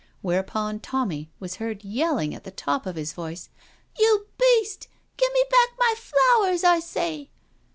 Whereupon Tommy was heard yelling at the top of his voice: "You beast — gimme back my flowers, I say."